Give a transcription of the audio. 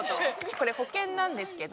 これ保険なんですけど。